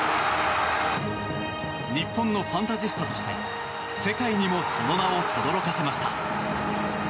日本のファンタジスタとして世界にもその名をとどろかせました。